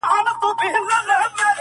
زموږ د شاهباز له شاهپرونو سره لوبي کوي!